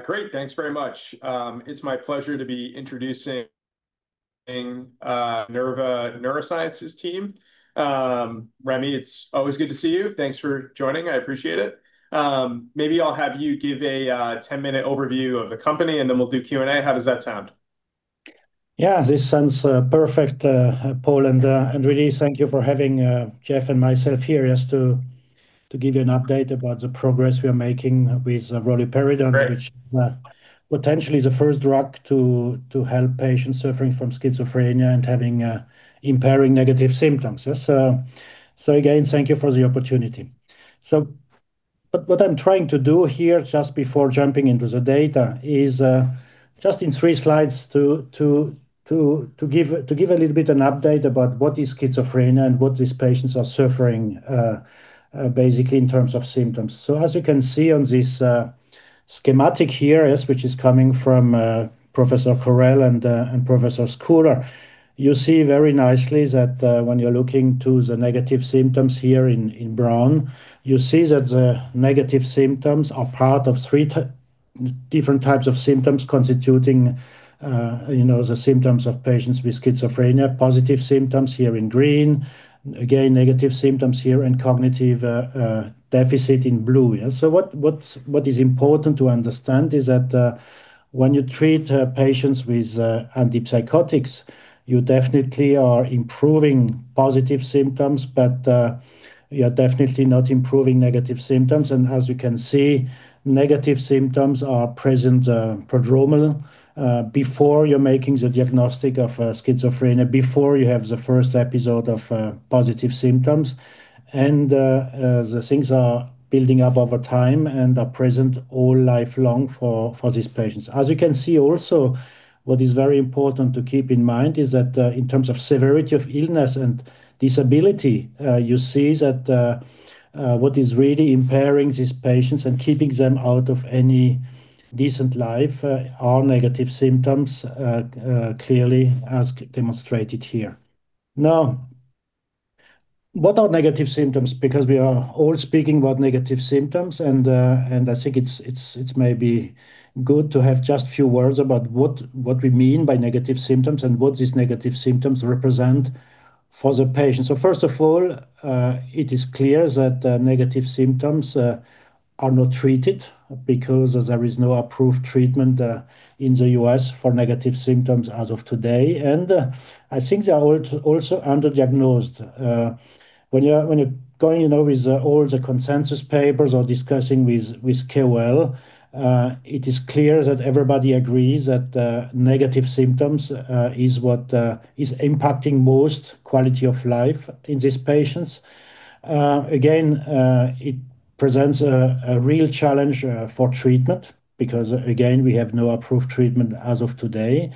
Great. Thanks very much. It's my pleasure to be introducing Minerva Neurosciences team. Remy, it's always good to see you. Thanks for joining. I appreciate it. Maybe I'll have you give a ten-minute overview of the company, and then we'll do Q&A. How does that sound? Yeah, this sounds perfect, Paul, and really thank you for having Jeff and myself here just to give you an update about the progress we are making with roluperidone. Great which is potentially the first drug to help patients suffering from schizophrenia and having impairing negative symptoms. Yes. Again, thank you for the opportunity. What I'm trying to do here, just before jumping into the data, is just in three slides to give a little bit an update about what is schizophrenia and what these patients are suffering, basically in terms of symptoms. As you can see on this schematic here, yes, which is coming from Professor Correll and Professor Schooler, you see very nicely that when you're looking to the negative symptoms here in brown, you see that the negative symptoms are part of three different types of symptoms constituting, you know, the symptoms of patients with schizophrenia. Positive symptoms here in green, again negative symptoms here, and cognitive deficit in blue, yeah? What is important to understand is that when you treat patients with antipsychotics, you definitely are improving positive symptoms, but you're definitely not improving negative symptoms. As you can see, negative symptoms are present prodromal before you're making the diagnosis of schizophrenia, before you have the first episode of positive symptoms. The things are building up over time and are present all lifelong for these patients. As you can see also, what is very important to keep in mind is that, in terms of severity of illness and disability, you see that, what is really impairing these patients and keeping them out of any decent life, are negative symptoms, clearly as demonstrated here. Now, what are negative symptoms? Because we are all speaking about negative symptoms, and I think it's maybe good to have just few words about what we mean by negative symptoms and what these negative symptoms represent for the patient. So first of all, it is clear that, negative symptoms, are not treated because there is no approved treatment, in the U.S. for negative symptoms as of today. I think they are also underdiagnosed. When you are... When you're going, you know, with all the consensus papers or discussing with Correll, it is clear that everybody agrees that negative symptoms is what is impacting most quality of life in these patients. Again, it presents a real challenge for treatment because again, we have no approved treatment as of today.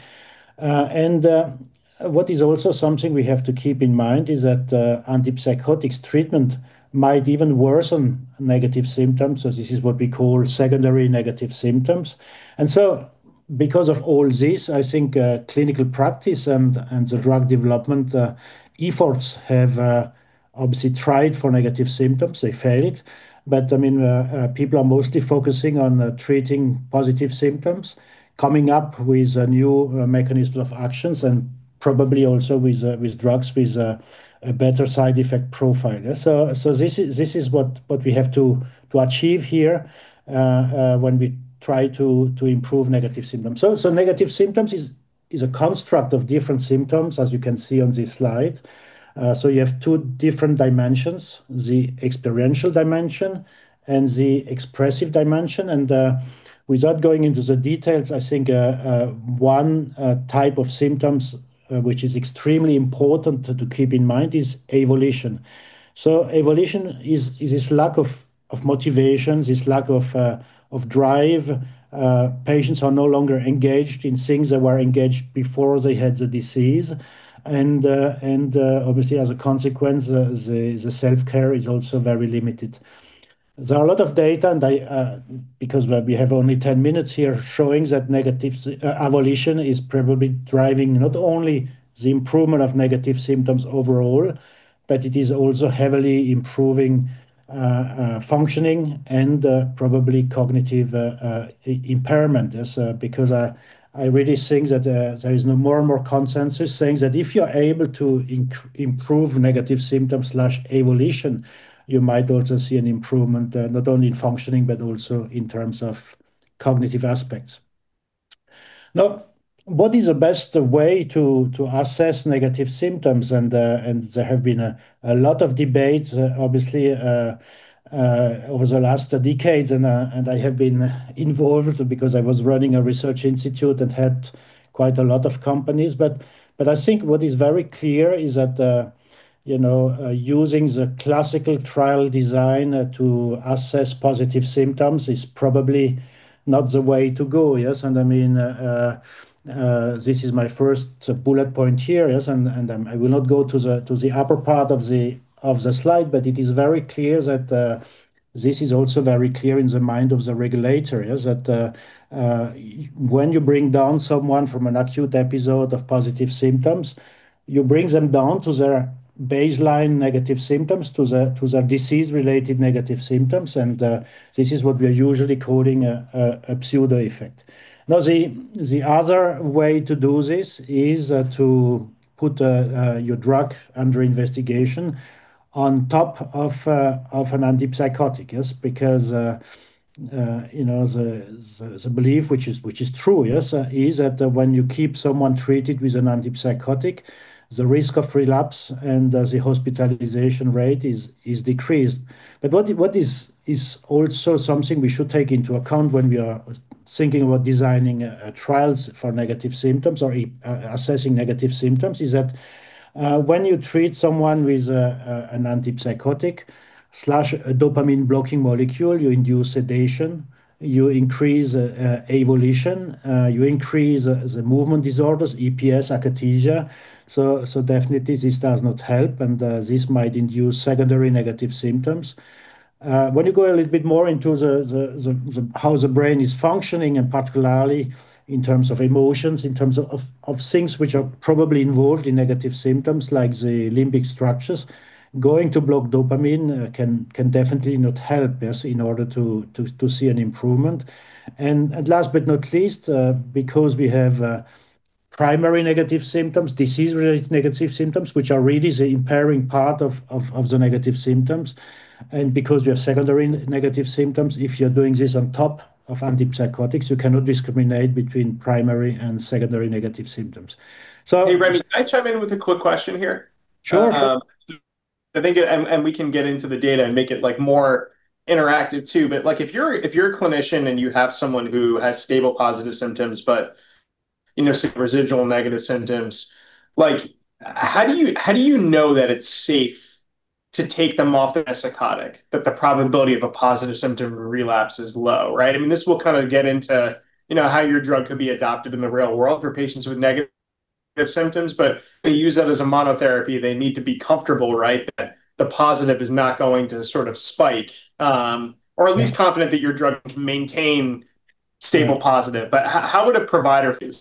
What is also something we have to keep in mind is that antipsychotics treatment might even worsen negative symptoms, so this is what we call secondary negative symptoms. Because of all this, I think, clinical practice and the drug development efforts have obviously tried for negative symptoms. They failed. I mean, people are mostly focusing on, treating positive symptoms, coming up with a new, mechanism of actions and probably also with drugs with a better side effect profile. This is what we have to achieve here, when we try to improve negative symptoms. Negative symptoms is a construct of different symptoms, as you can see on this slide. You have two different dimensions, the experiential dimension and the expressive dimension. Without going into the details, I think, one type of symptoms, which is extremely important to keep in mind is avolition. Avolition is this lack of motivation, this lack of drive. Patients are no longer engaged in things they were engaged before they had the disease, and obviously as a consequence, the self-care is also very limited. There are a lot of data, and I, because we have only 10 minutes here, showing that negative avolition is probably driving not only the improvement of negative symptoms overall, but it is also heavily improving functioning and probably cognitive impairment. Yes, because I really think that there is now more and more consensus saying that if you're able to improve negative symptoms/avolition, you might also see an improvement not only in functioning, but also in terms of cognitive aspects. Now, what is the best way to assess negative symptoms? There have been a lot of debates, obviously, over the last decades, and I have been involved because I was running a research institute and had quite a lot of companies. I think what is very clear is that, you know, using the classical trial design to assess positive symptoms is probably not the way to go. Yes. I mean, this is my first bullet point here. Yes. I'm I will not go to the upper part of the slide, but it is very clear that this is also very clear in the mind of the regulator is that when you bring down someone from an acute episode of positive symptoms, you bring them down to their baseline negative symptoms, to the disease-related negative symptoms, and this is what we are usually calling a pseudo effect. Now, the other way to do this is to put your drug under investigation on top of an antipsychotic, yes, because you know, the belief, which is true, yes, is that when you keep someone treated with an antipsychotic, the risk of relapse and the hospitalization rate is decreased. What is also something we should take into account when we are thinking about designing trials for negative symptoms or assessing negative symptoms is that when you treat someone with an antipsychotic slash a dopamine-blocking molecule, you induce sedation, you increase avolition, you increase the movement disorders, EPS, akathisia. Definitely this does not help, and this might induce secondary negative symptoms. When you go a little bit more into the how the brain is functioning, and particularly in terms of emotions, in terms of things which are probably involved in negative symptoms, like the limbic structures, going to block dopamine can definitely not help us in order to see an improvement. Last but not least, because we have primary negative symptoms, disease-related negative symptoms, which are really the impairing part of the negative symptoms, and because you have secondary negative symptoms, if you're doing this on top of antipsychotics, you cannot discriminate between primary and secondary negative symptoms. Hey, Remy, can I chime in with a quick question here? Sure. We can get into the data and make it, like, more interactive too. Like, if you're a clinician and you have someone who has stable positive symptoms but, you know, residual negative symptoms, like, how do you know that it's safe to take them off the antipsychotic? That the probability of a positive symptom relapse is low, right? I mean, this will kind of get into, you know, how your drug could be adopted in the real world for patients with negative symptoms. If they use that as a monotherapy, they need to be comfortable, right, that the positive is not going to sort of spike. Or at least confident that your drug can maintain stable positive. How would a provider feel?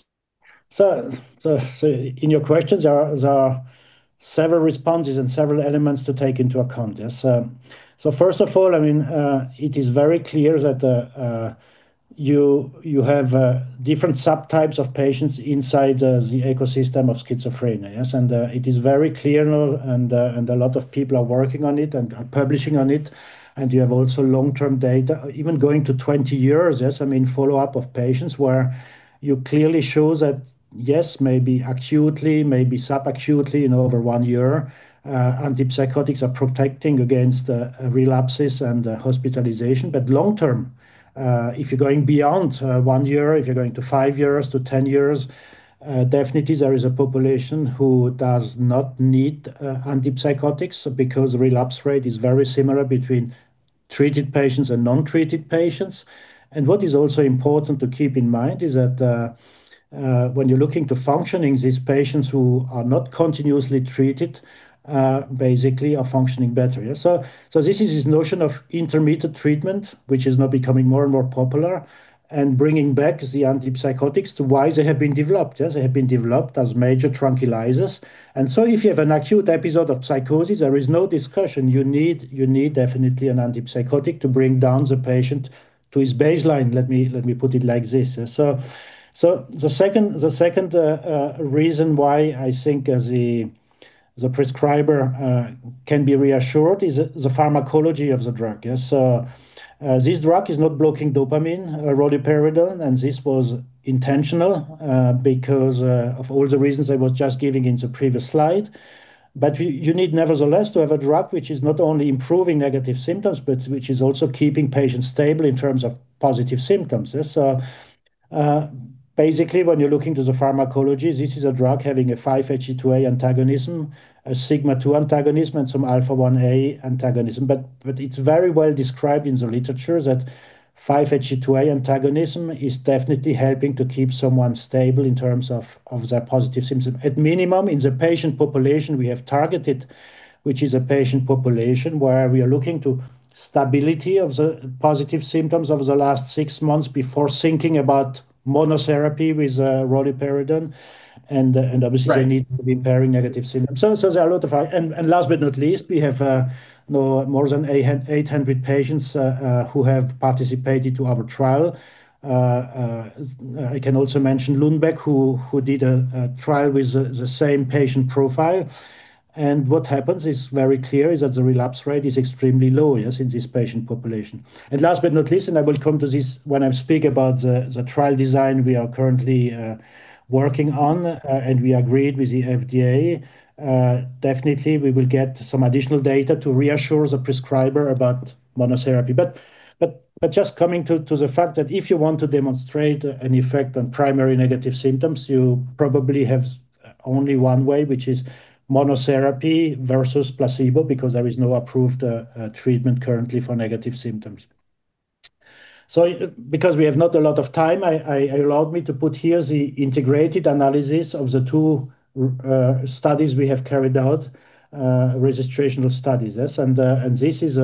In your question, there are several responses and several elements to take into account. Yes. First of all, I mean, it is very clear that you have different subtypes of patients inside the ecosystem of schizophrenia. Yes. It is very clear now, and a lot of people are working on it and are publishing on it, and you have also long-term data, even going to 20 years. Yes. I mean, follow-up of patients where you clearly show that, yes, maybe acutely, maybe subacutely, you know, over 1 year, antipsychotics are protecting against relapses and hospitalization. Long term, if you're going beyond one year, if you're going to five years to 10 years, definitely there is a population who does not need antipsychotics because relapse rate is very similar between treated patients and non-treated patients. What is also important to keep in mind is that, when you're looking to functioning, these patients who are not continuously treated basically are functioning better. This notion of intermittent treatment, which is now becoming more and more popular, and bringing back the antipsychotics to why they have been developed. Yes. They have been developed as major tranquilizers. If you have an acute episode of psychosis, there is no discussion. You need definitely an antipsychotic to bring down the patient to his baseline. Let me put it like this. The second reason why I think the prescriber can be reassured is the pharmacology of the drug. Yes. This drug is not blocking dopamine, roluperidone, and this was intentional because of all the reasons I was just giving in the previous slide. You need nevertheless to have a drug which is not only improving negative symptoms, but which is also keeping patients stable in terms of positive symptoms. Yes. Basically, when you're looking at the pharmacology, this is a drug having a 5-HT2A antagonism, a sigma-2 antagonism, and some alpha-1A antagonism. It's very well described in the literature that 5-HT2A antagonism is definitely helping to keep someone stable in terms of their positive symptoms. At minimum, in the patient population we have targeted, which is a patient population where we are looking to stability of the positive symptoms over the last 6 months before thinking about monotherapy with roluperidone and obviously they need to be very negative symptoms. Last but not least, we have more than 800 patients who have participated to our trial. I can also mention Lundbeck, who did a trial with the same patient profile. What happens is very clear is that the relapse rate is extremely low, yes, in this patient population. Last but not least, I will come to this when I speak about the trial design we are currently working on, and we agreed with the FDA, definitely we will get some additional data to reassure the prescriber about monotherapy. Just coming to the fact that if you want to demonstrate an effect on primary negative symptoms, you probably have only one way, which is monotherapy versus placebo, because there is no approved treatment currently for negative symptoms. Because we have not a lot of time, I allowed myself to put here the integrated analysis of the two studies we have carried out, registrational studies. Yes. This is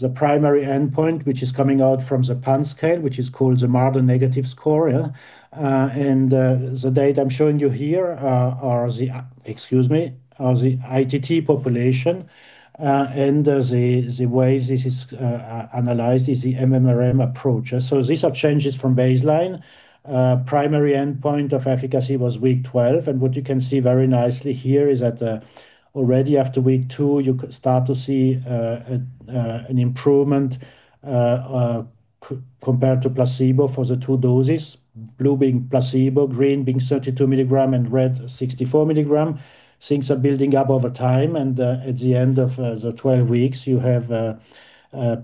the primary endpoint, which is coming out from the PANSS scale, which is called the Marder negative score. The data I'm showing you here, Excuse me, are the ITT population, and the way this is analyzed is the MMRM approach. These are changes from baseline. Primary endpoint of efficacy was week 12, and what you can see very nicely here is that, already after week 2, you could start to see an improvement compared to placebo for the 2 doses, blue being placebo, green being 32 milligram, and red 64 milligram, things are building up over time, and at the end of the 12 weeks, you have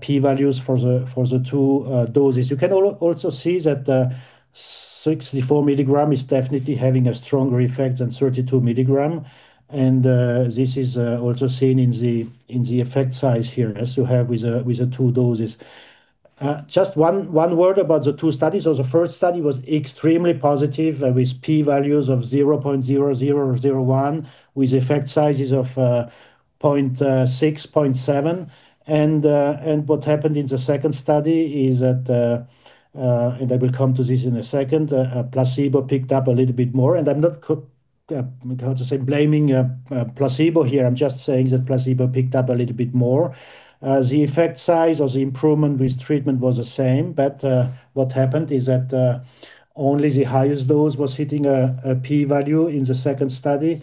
p values for the 2 doses. You can also see that 64 milligram is definitely having a stronger effect than 32 milligram, and this is also seen in the effect size here as you have with the two doses. Just one word about the two studies. The first study was extremely positive with P values of 0.0001 with effect sizes of 0.6, 0.7. What happened in the second study is that and I will come to this in a second, placebo picked up a little bit more. I'm not, how to say, blaming placebo here. I'm just saying that placebo picked up a little bit more. The effect size or the improvement with treatment was the same, but what happened is that only the highest dose was hitting a p-value in the second study.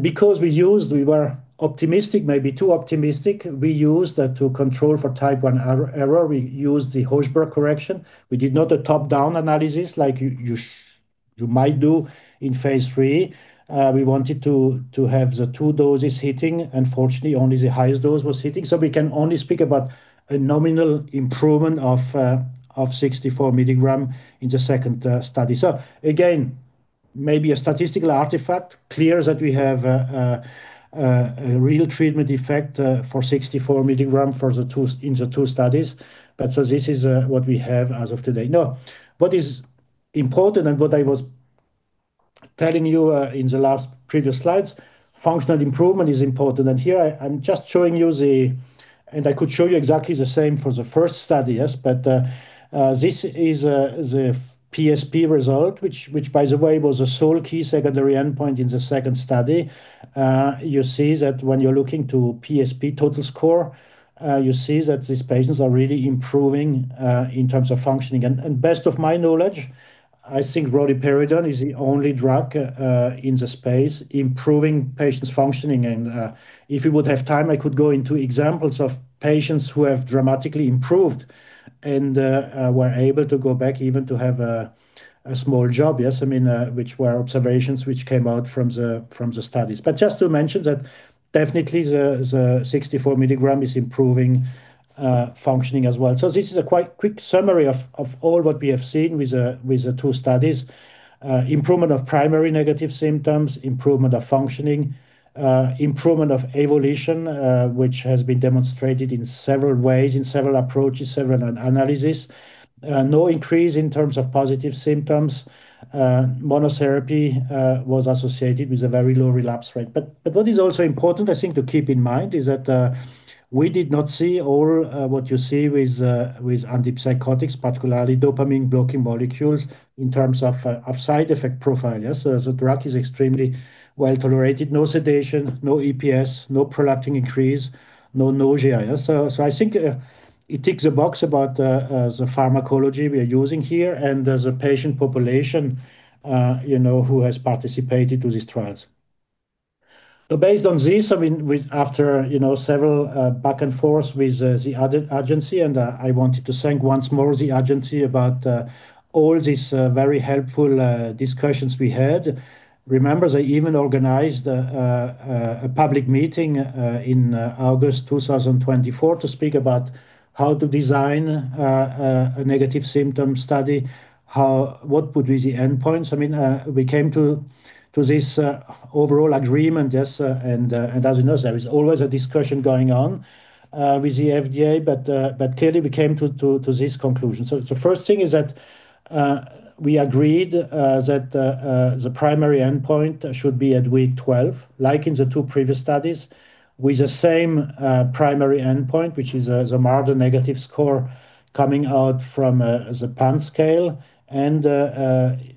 Because we used, we were optimistic, maybe too optimistic, we used to control for type one error, we used the Hochberg correction. We did not do a top-down analysis like you might do in phase 3. We wanted to have the two doses hitting. Unfortunately, only the highest dose was hitting. We can only speak about a nominal improvement of 64 milligram in the second study. Again, maybe a statistical artifact, clear that we have a real treatment effect for 64 milligram in the two studies. This is what we have as of today. Now, what is important and what I was telling you in the last previous slides, functional improvement is important. Here I'm just showing you the. I could show you exactly the same for the first study, yes. This is the PSP result, which by the way was the sole key secondary endpoint in the second study. You see that when you're looking to PSP total score, you see that these patients are really improving in terms of functioning. Best of my knowledge, I think roluperidone is the only drug in the space improving patients' functioning. If we would have time, I could go into examples of patients who have dramatically improved and were able to go back even to have a small job. Yes. I mean, which were observations which came out from the studies. Just to mention that definitely the 64 milligram is improving functioning as well. This is a quite quick summary of all what we have seen with the two studies. Improvement of primary negative symptoms, improvement of functioning, improvement of avolition, which has been demonstrated in several ways, in several approaches, several analyses. No increase in terms of positive symptoms. Monotherapy was associated with a very low relapse rate. What is also important, I think, to keep in mind is that we did not see all what you see with antipsychotics, particularly dopamine-blocking molecules, in terms of side effect profile. Yes. The drug is extremely well-tolerated. No sedation, no EPS, no prolactin increase, no nausea. I think it ticks a box about the pharmacology we are using here and the patient population, you know, who has participated to these trials. Based on this, I mean, after you know several back and forth with the FDA, and I wanted to thank once more the FDA about all these very helpful discussions we had. Remember, they even organized a public meeting in August 2024 to speak about how to design a negative symptom study, how what would be the endpoints. I mean, we came to this overall agreement. Yes. As you know, there is always a discussion going on with the FDA, but clearly we came to this conclusion. The first thing is that we agreed that the primary endpoint should be at week 12, like in the 2 previous studies, with the same primary endpoint, which is the Marder negative score coming out from the PANSS scale.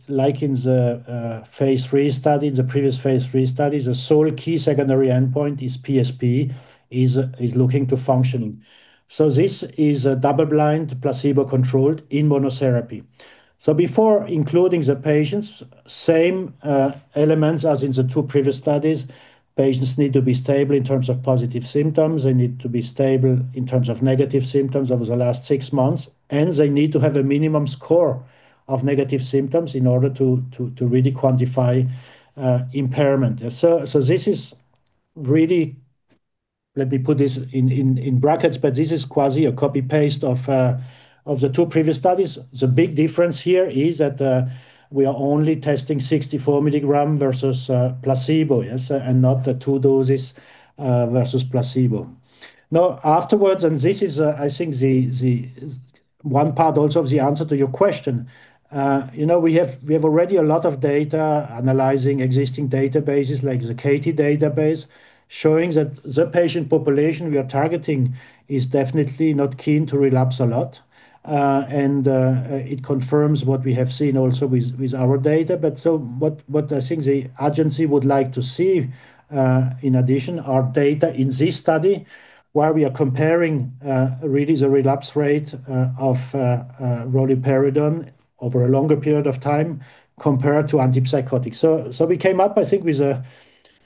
Like in the phase 3 study, the previous phase 3 study, the sole key secondary endpoint is PSP looking to functioning. This is a double-blind, placebo-controlled in monotherapy. Before including the patients, same elements as in the 2 previous studies. Patients need to be stable in terms of positive symptoms. They need to be stable in terms of negative symptoms over the last 6 months, and they need to have a minimum score of negative symptoms in order to really quantify impairment. This is really, let me put this in brackets, but this is quasi a copy-paste of the two previous studies. The big difference here is that we are only testing 64 milligram versus placebo, yes, and not the two doses versus placebo. Afterwards, this is I think the one part also of the answer to your question, you know, we have already a lot of data analyzing existing databases like the CATIE database, showing that the patient population we are targeting is definitely not keen to relapse a lot. It confirms what we have seen also with our data. What I think the agency would like to see, in addition, are data in this study where we are comparing really the relapse rate of roluperidone over a longer period of time compared to Antipsychotics. We came up, I think, with a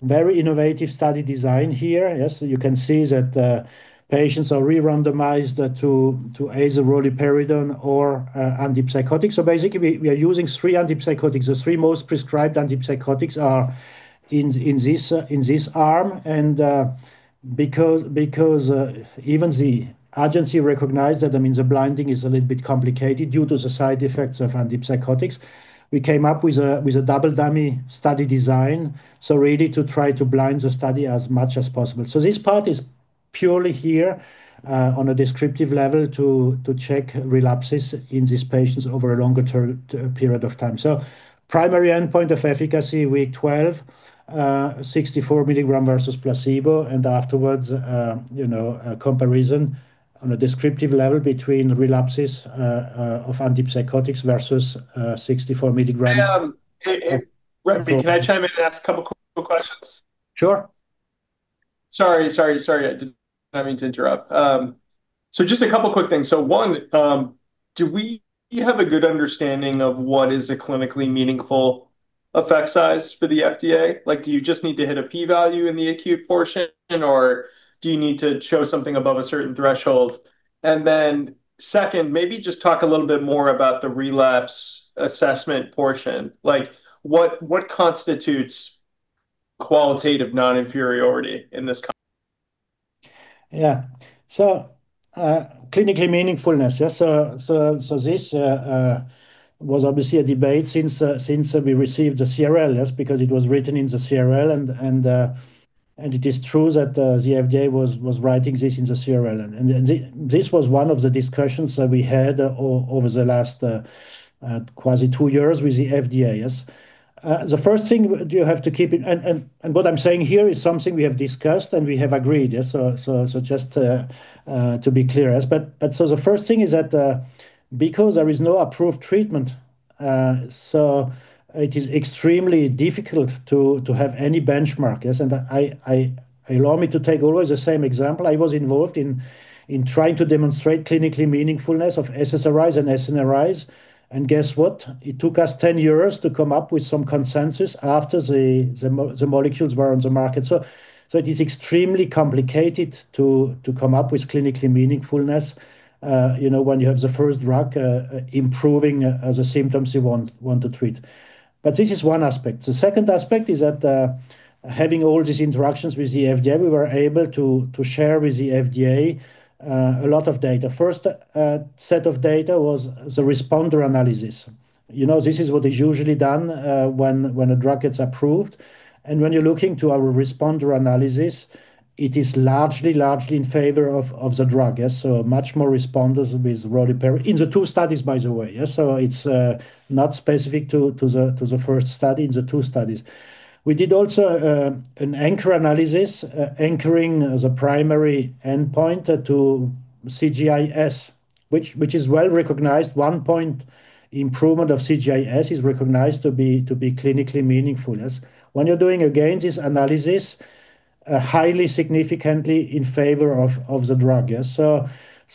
very innovative study design here. Yes, you can see that patients are re-randomized to either roluperidone or antipsychotic. Basically we are using three antipsychotics. The three most prescribed antipsychotics are in this arm and because even the agency recognized that, I mean, the blinding is a little bit complicated due to the side effects of antipsychotics. We came up with a double dummy study design, so really to try to blind the study as much as possible. This part is purely here on a descriptive level to check relapses in these patients over a longer term period of time. Primary endpoint of efficacy, week 12, 64 milligram versus placebo, and afterwards, you know, a comparison on a descriptive level between relapses of antipsychotics versus 64 milligram- Hey, Remy, can I chime in and ask a couple quick questions? Sure. Sorry. I didn't mean to interrupt. Just a couple quick things. One, do we have a good understanding of what is a clinically meaningful effect size for the FDA? Like, do you just need to hit a P value in the acute portion and, or do you need to show something above a certain threshold? Second, maybe just talk a little bit more about the relapse assessment portion. Like, what constitutes qualitative non-inferiority in this con- Yeah. Clinically meaningfulness. This was obviously a debate since we received the CRL. Because it was written in the CRL and it is true that the FDA was writing this in the CRL. This was one of the discussions that we had over the last quasi two years with the FDA. The first thing you have to keep in, and what I'm saying here is something we have discussed, and we have agreed. Just to be clear. The first thing is that because there is no approved treatment, it is extremely difficult to have any benchmark. I allow me to take always the same example. I was involved in trying to demonstrate clinically meaningfulness of SSRIs and SNRIs, and guess what? It took us 10 years to come up with some consensus after the molecules were on the market. So it is extremely complicated to come up with clinically meaningfulness, you know, when you have the first drug improving the symptoms you want to treat. This is one aspect. The second aspect is that having all these interactions with the FDA, we were able to share with the FDA a lot of data. First set of data was the responder analysis. You know, this is what is usually done when a drug gets approved. When you're looking to our responder analysis, it is largely in favor of the drug. Yes. Much more responders with roluperidone in the two studies, by the way. Yes. It's not specific to the first study. The two studies. We did also an anchor analysis, anchoring the primary endpoint to CGI-S, which is well-recognized. 1-point improvement of CGI-S is recognized to be clinically meaningful. When you're doing this analysis, again, highly significant in favor of the drug. Yes.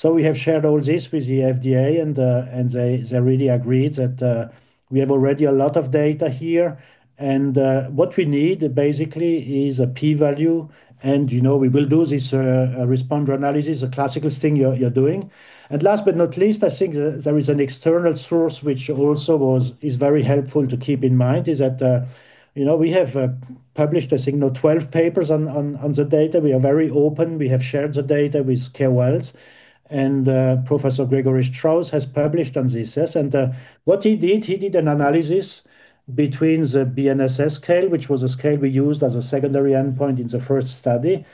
We have shared all this with the FDA and they really agreed that we have already a lot of data here and what we need basically is a p-value and, you know, we will do this responder analysis, a classical thing you're doing. Last but not least, I think there is an external source which also was. is very helpful to keep in mind that you know we have published I think now 12 papers on the data. We are very open. We have shared the data with Correll, and Professor Gregory Strauss has published on this. Yes. What he did, he did an analysis between the BNSS scale, which was a scale we used as a secondary endpoint in the first study,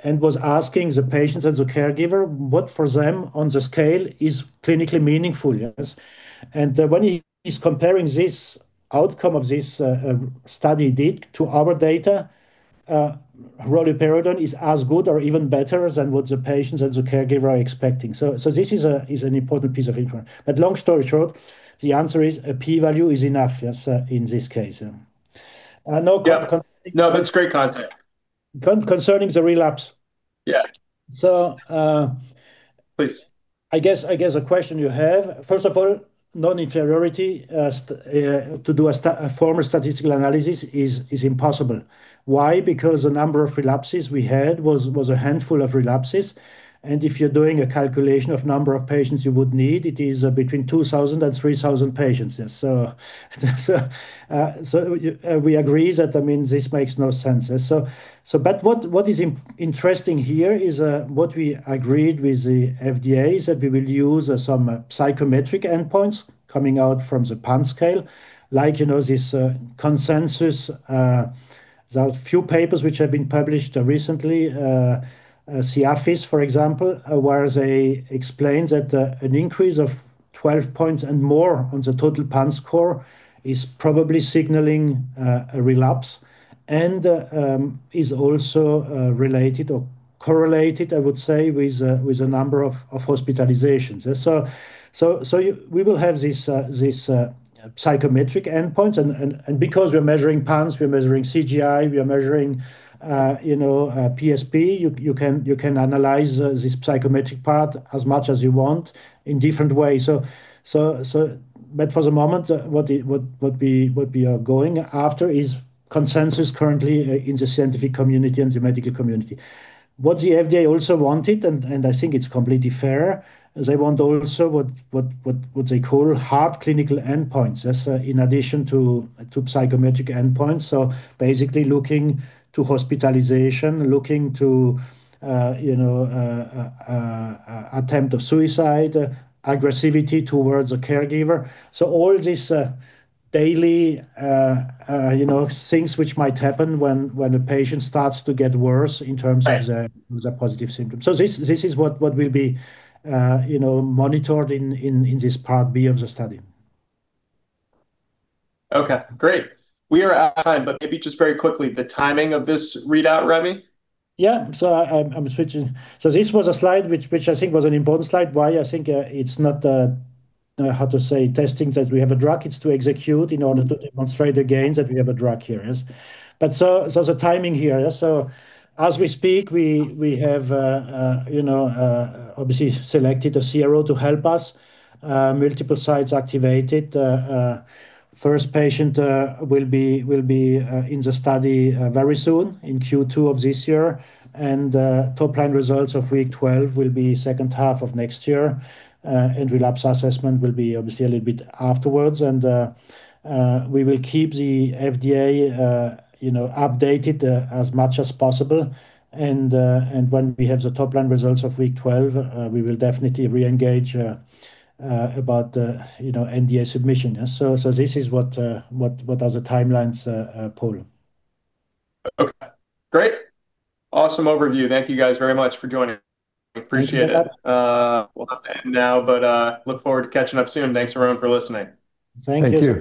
and was asking the patients and the caregiver what for them on the scale is clinically meaningful. Yes. When he is comparing this outcome of this study data to our data, roluperidone is as good or even better than what the patients and the caregiver are expecting. This is an important piece of information. Long story short, the answer is a P value is enough, yes, in this case. No counter con- Yeah. No, that's great context. Concerning the relapse. Yeah. So, uh- Please. I guess a question you have, first of all, non-inferiority, a formal statistical analysis is impossible. Why? Because the number of relapses we had was a handful of relapses, and if you're doing a calculation of number of patients you would need, it is between 2,000 and 3,000 patients. Yes. We agree that, I mean, this makes no sense. What is interesting here is what we agreed with the FDA is that we will use some psychometric endpoints coming out from the PANSS scale. Like, you know, this consensus, the few papers which have been published recently, Siafis, for example, where they explain that, an increase of 12 points and more on the total PANSS score is probably signaling, a relapse and, is also, related or correlated, I would say, with a number of hospitalizations. We will have this psychometric endpoint and because we're measuring PANSS, we're measuring CGI, we are measuring, you know, PSP, you can analyze this psychometric part as much as you want in different ways. But for the moment, what we are going after is consensus currently, in the scientific community and the medical community. What the FDA also wanted, and I think it's completely fair. They want also what they call hard clinical endpoints. That's in addition to psychometric endpoints. Basically looking to hospitalization, looking to you know attempt of suicide, aggressivity towards a caregiver. All this daily you know things which might happen when a patient starts to get worse in terms of Right the positive symptoms. This is what we'll be, you know, monitored in this Part B of the study. Okay, great. We are out of time, but maybe just very quickly, the timing of this readout, Remy? Yeah. I'm switching. This was a slide which I think was an important slide why I think it's not how to say testing that we have a drug. It's to execute in order to demonstrate the gains that we have a drug here, yes. The timing here. As we speak, we have you know obviously selected a CRO to help us. Multiple sites activated. First patient will be in the study very soon in Q2 of this year. Top line results of week 12 will be second half of next year. Relapse assessment will be obviously a little bit afterwards. We will keep the FDA you know updated as much as possible. When we have the top line results of week 12, we will definitely re-engage about, you know, NDA submission. Yeah. This is, what are the timelines, Paul. Okay, great. Awesome overview. Thank you guys very much for joining. Appreciate it. Thank you, Jacob. We'll have to end now, but look forward to catching up soon. Thanks everyone for listening. Thank you.